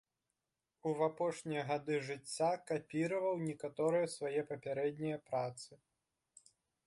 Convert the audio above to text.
У апошнія гады жыцця капіраваў некаторыя свае папярэднія працы.